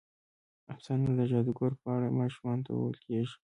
افسانه د جادوګرو په اړه ماشومانو ته ویل کېږي.